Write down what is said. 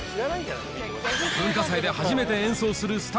文化祭で初めて演奏するすた